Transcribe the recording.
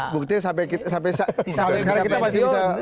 buktinya sampai sekarang kita masih bisa